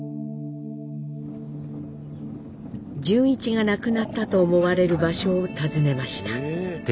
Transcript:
潤一が亡くなったと思われる場所を訪ねました。